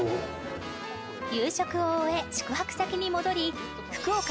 夕食を終え宿泊先に戻り福岡